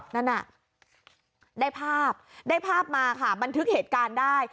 นั่นน่ะได้ภาพได้ภาพมาค่ะบันทึกเหตุการณ์ได้